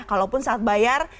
kalaupun saat bayar